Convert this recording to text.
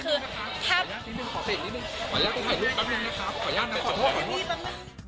ขอเพลงนิดนึงขอยากต้องข่าวลูกแป๊บนึงนะครับ